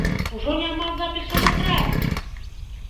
Ужо няма запісу на травень!